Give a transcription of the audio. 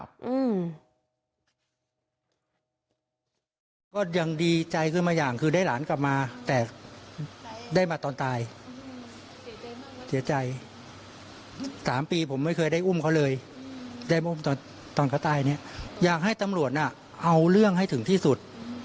ก็ยังดีใจขึ้นมาอย่างคือได้หลานกลับมาแต่ได้มาตอนตายเสียใจสามปีผมไม่เคยได้อุ้มเขาเลยได้อุ้มตอนตอนเขาตายเนี่ยอยากให้ตำรวจน่ะเอาเรื่องให้ถึงที่สุด